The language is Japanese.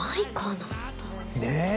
ねえ。